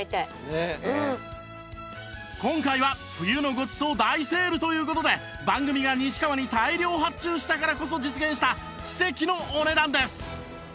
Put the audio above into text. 今回は冬のごちそう大セールという事で番組が西川に大量発注したからこそ実現した奇跡のお値段です！